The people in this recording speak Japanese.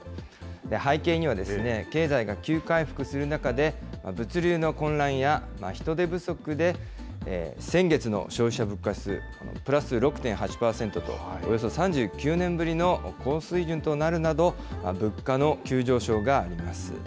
背景には、経済が急回復する中で、物流の混乱や、人手不足で先月の消費者物価指数プラス６．８％と、およそ３９年ぶりの高水準となるなど、物価の急上昇があります。